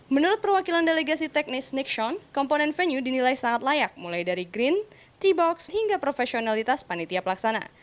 menurut perwakilan delegasi teknis nixon komponen venue dinilai sangat layak mulai dari green tea box hingga profesionalitas panitia pelaksana